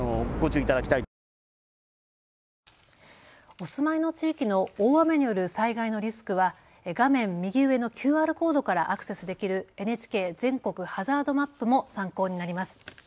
お住まいの地域の大雨による災害のリスクは画面右上のＱＲコードからアクセスできるＮＨＫ全国ハザードマップも参考になります。